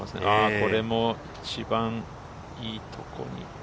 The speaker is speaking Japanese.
これも一番いいところに。